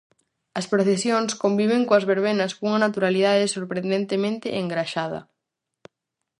As procesións conviven coas verbenas cunha naturalidade sorprendentemente engraxada.